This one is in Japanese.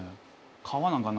川なんかあんな